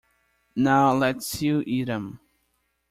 Now let's see you eat 'em.